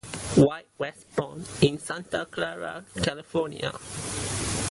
White was born in Santa Clara, California.